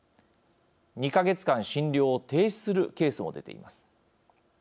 ２か月間診療を停止するケースも出ています。